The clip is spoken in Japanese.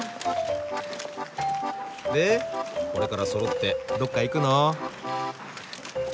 でこれからそろってどっか行くの？